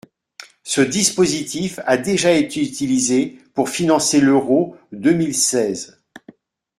Ce dispositif a déjà été utilisé pour financer l’Euro deux mille seize.